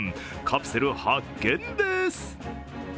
カプセル発見です！